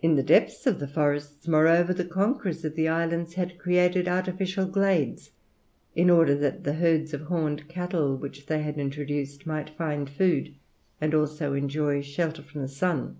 In the depths of the forests, moreover, the conquerors of the islands had created artificial glades, in order that the herds of horned cattle which they had introduced might find food and also enjoy shelter from the sun.